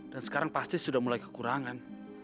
dan sekarang pasti sudah mulai kekurangan